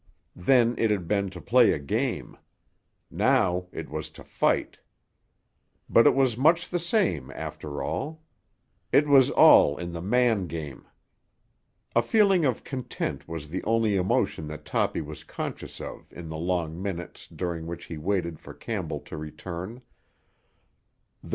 Then it had been to play a game; now it was to fight. But it was much the same, after all; it was all in the man game. A feeling of content was the only emotion that Toppy was conscious of in the long minutes during which he waited for Campbell to return.